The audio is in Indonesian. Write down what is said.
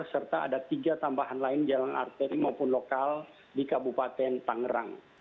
serta ada tiga tambahan lain jalan arteri maupun lokal di kabupaten tangerang